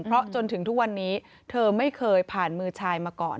เพราะจนถึงทุกวันนี้เธอไม่เคยผ่านมือชายมาก่อน